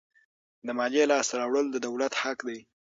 د مالیې لاسته راوړل د دولت حق دی.